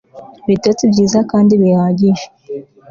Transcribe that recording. ibitotsi byiza kandi bihagije